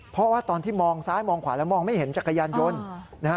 เพราะว่าตอนที่มองซ้ายมองขวาแล้วมองไม่เห็นจักรยานยนต์นะฮะ